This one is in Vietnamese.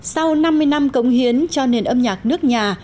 sau năm mươi năm cống hiến cho nền âm nhạc nước nhà